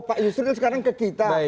pak yusril sekarang ke kita